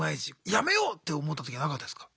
やめようって思った時なかったですか？